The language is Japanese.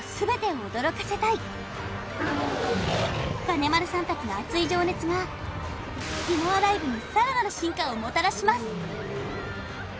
金丸さん達の熱い情熱がディノアライブにさらなる進化をもたらします